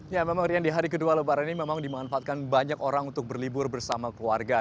ya memang rian di hari kedua lebaran ini memang dimanfaatkan banyak orang untuk berlibur bersama keluarga